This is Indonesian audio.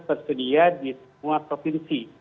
tersedia di semua provinsi